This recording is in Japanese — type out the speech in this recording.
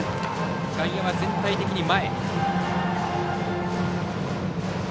外野は全体的に前。